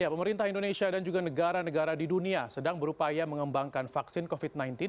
pemerintah indonesia dan juga negara negara di dunia sedang berupaya mengembangkan vaksin covid sembilan belas